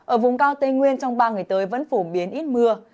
ở vùng cao tây nguyên trong ba ngày tới vẫn phổ biến ít mưa